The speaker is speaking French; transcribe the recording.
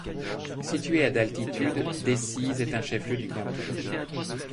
Située à d’altitude, Decize est un chef-lieu de canton.